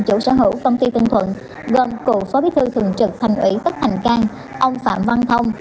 chủ sở hữu công ty tân thuận gồm cựu phó bí thư thường trực thành ủy tất thành cang ông phạm văn thông